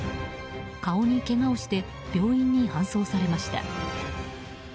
顔にけがをして病院に搬送されました。